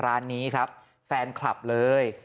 ร้านนี้ครับแฟนคลับเลย